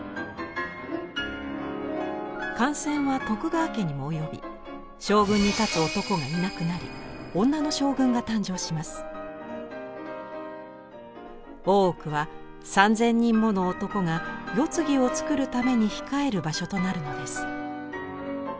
感染は徳川家にも及び将軍に立つ男がいなくなり大奥は３，０００人もの男が世継ぎをつくるために控える場所となるのです。